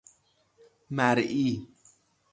مرئی